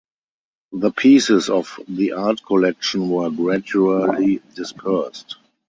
The pieces of the art collection were gradually dispersed.